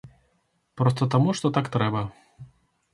Проста таму што так трэба.